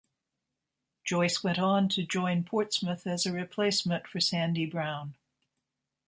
Joyce went on to join Portsmouth as a replacement for Sandy Brown.